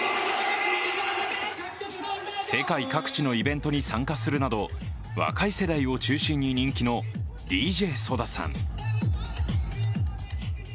世界各地のイベントに参加するなど若い世代を中心に人気のＤＪＳＯＤＡさん。